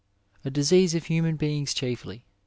— ^A disease of human beings chiefly.